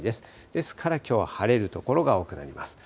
ですからきょうは晴れる所が多くなります。